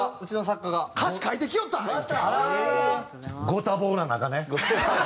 ご多忙な中ね。